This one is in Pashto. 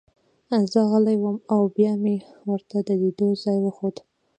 زه غلی وم او بیا مې ورته د لیدو ځای وښود